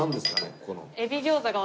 ここの。